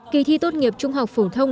kỳ thi tốt nghiệp trung học phổ thông